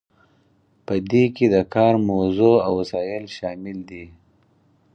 په دې کې د کار موضوع او وسایل شامل دي.